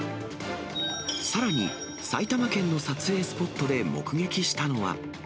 さらに、埼玉県の撮影スポットで目撃したのは。